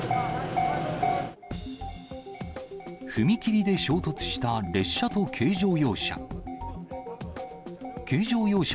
踏切で衝突した列車と軽乗用車。